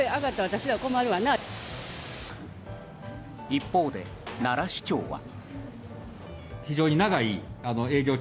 一方で奈良市長は。